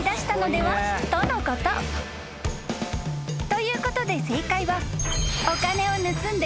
［ということで正解は］